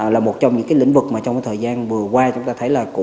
là một trong những cái lĩnh vực mà trong cái thời gian vừa qua chúng ta thấy là